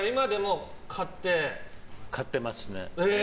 買っていますね。